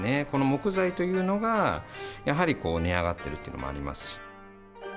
この木材というのが、やはり値上がってるっていうのもありますし。